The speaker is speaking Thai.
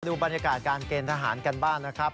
ดูบรรยากาศการเกณฑ์ทหารกันบ้างนะครับ